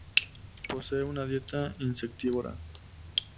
Posee una dieta insectívora.